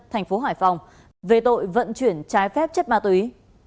thành phố hải phòng về tội vận chuyển trái phép chất ma túy